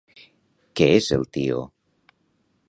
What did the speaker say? Què és el Tío?